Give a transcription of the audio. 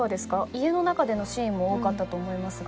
家の中でのシーンも多かったと思いますが。